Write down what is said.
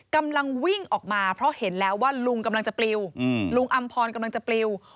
กำลังวิ่งออกมาเพราะเห็นแล้วว่าลุงอำพรกำลังจะปลิว